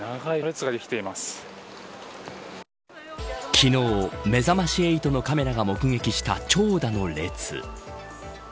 昨日、めざまし８のカメラが目撃した長蛇の列。